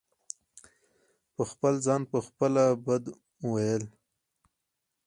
په خپل ځان په خپله بد وئيل